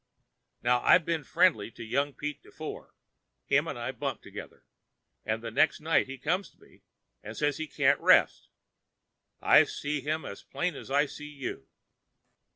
"Now, I've been friendly to young Pete De Foe—him and I bunked together—and the next night he comes to me, saying that he can't rest. I see him as plain as I see you.